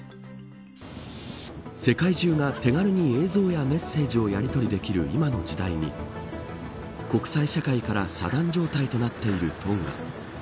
世界中が手軽に映像やメッセージをやりとりできる今の時代に国際社会から遮断状態となっているトンガ。